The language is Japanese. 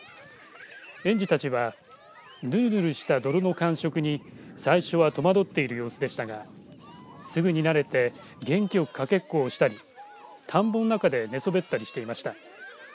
園児たちはぬるぬるした泥の感触に最初は戸惑っている様子でしたがすぐに慣れて元気よくかけっこをしたり田んぼの中で寝そべったりしていました。